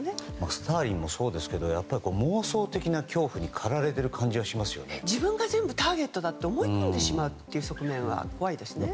スターリンもそうですけど妄想的な狂気に自分が全部ターゲットだと思い込んでしまうという側面は怖いですね。